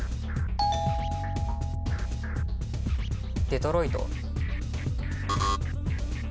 デトロイト。